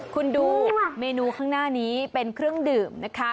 คุณดูเมนูข้างหน้านี้เป็นเครื่องดื่มนะคะ